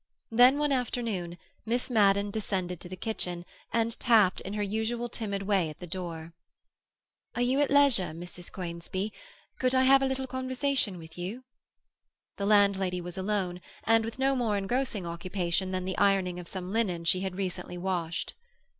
Then, one afternoon, Miss Madden descended to the kitchen and tapped in her usual timid way at the door. "Are you at leisure, Mrs. Conisbee? Could I have a little conversation with you?" The landlady was alone, and with no more engrossing occupation than the ironing of some linen she had recently washed.